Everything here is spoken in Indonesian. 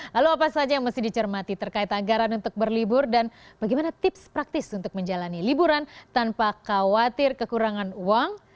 lalu apa saja yang mesti dicermati terkait anggaran untuk berlibur dan bagaimana tips praktis untuk menjalani liburan tanpa khawatir kekurangan uang